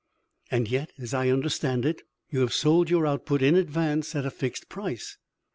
"And yet, as I understand it, you have sold your output in advance, at a fixed price."